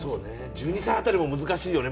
１２歳辺りも難しいですよね。